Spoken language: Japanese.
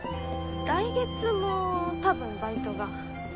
来月もたぶんバイトが。